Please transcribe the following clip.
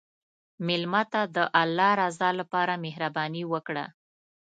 مېلمه ته د الله رضا لپاره مهرباني وکړه.